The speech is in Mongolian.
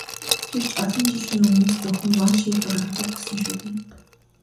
Гэвч олон жилийн өмнөөс зөвхөн ван шийдвэр гаргадаг болсон шүү дээ.